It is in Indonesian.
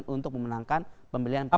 untuk memenangkan pemilihan presiden